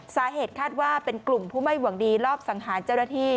สาเหตุคาดว่าเป็นกลุ่มผู้ไม่หวังดีรอบสังหารเจ้าหน้าที่